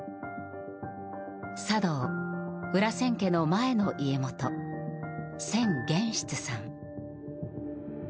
茶道裏千家の前の家元千玄室さん。